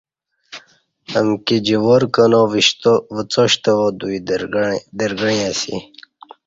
امکی جوار کنا وڅا شتوا دوئی درگݩعی اسی۔